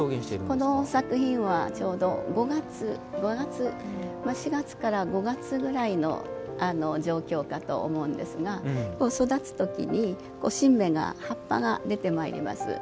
その作品はちょうど４月から５月くらいの状況かと思うんですが育つ時に新芽、葉っぱが出ております。